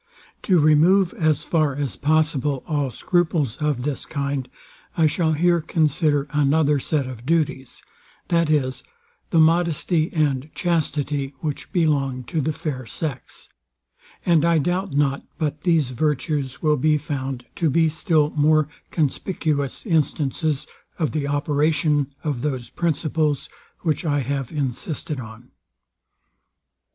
To remove, as far as possible, all scruples of this kind, I shall here consider another set of duties, viz, the modesty and chastity which belong to the fair sex: And I doubt not but these virtues will be found to be still more conspicuous instances of the operation of those principles, which I have insisted on.